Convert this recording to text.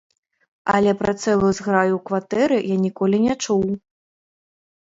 Але пра цэлую зграю ў кватэры я ніколі не чуў.